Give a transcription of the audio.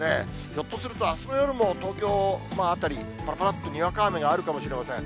ひょっとすると、あすの夜も東京辺り、ぱらぱらっとにわか雨があるかもしれません。